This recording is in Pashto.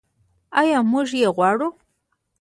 آیا موږ یې غواړو؟